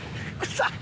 臭っ！